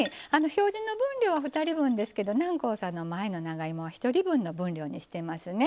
表示の分量は２人分ですけど南光さんの前の分量は１人分の分量にしてますね。